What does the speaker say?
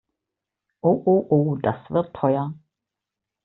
Oh oh oh, das wird teuer!